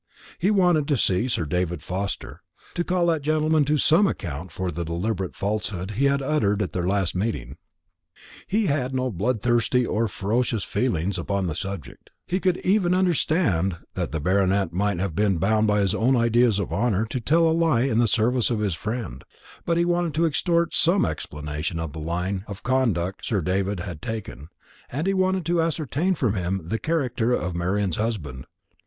He wanted to see Sir David Forster, to call that gentleman to some account for the deliberate falsehood he had uttered at their last meeting. He had no bloodthirsty or ferocious feelings upon the subject, he could even understand that the Baronet might have been bound by his own ideas of honour to tell a lie in the service of his friend; but he wanted to extort some explanation of the line of conduct Sir David had taken, and he wanted to ascertain from him the character of Marian's husband.